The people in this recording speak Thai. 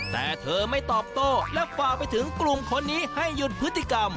แต่เธอไม่ตอบโต้และฝากไปถึงกลุ่มคนนี้ให้หยุดพฤติกรรม